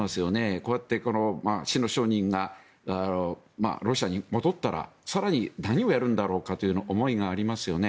こうやって死の商人がロシアに戻ったら更に何をやるんだろうかという思いがありますよね。